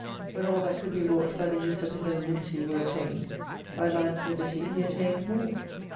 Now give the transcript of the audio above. "When all that could be wrought by the use of His own liberty were attained, by man's liberty He attained more.